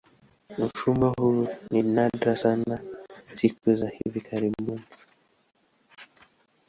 Mfumo huu ni nadra sana siku za hivi karibuni.